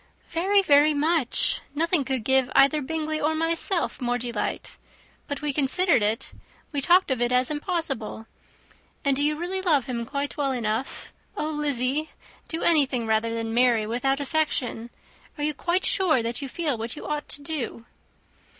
"Very, very much. Nothing could give either Bingley or myself more delight. But we considered it, we talked of it as impossible. And do you really love him quite well enough? Oh, Lizzy! do anything rather than marry without affection. Are you quite sure that you feel what you ought to do?"